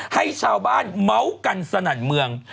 ให้ชาวบ้านเมาส์กันสนั่นเมือง